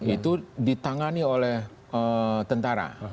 itu ditangani oleh tentara